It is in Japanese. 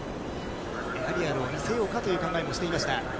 エアリアルを見せようかという考えもしていました。